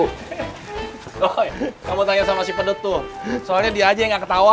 oh kamu tanya sama si pedet tuh soalnya dia aja yang gak ketawa